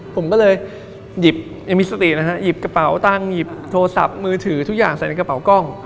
ผมก็เลยหยิบกระเป๋าตั้งหยิบโทรศัพท์มือถือทุกอย่างใส่ในกระเป๋ากล้อง